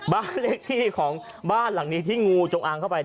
บ้านเลขที่ของบ้านหลังนี้ที่งูจงอางเข้าไป